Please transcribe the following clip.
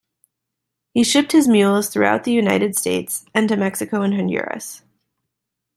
He shipped his mules throughout the United States, and to Mexico and Honduras.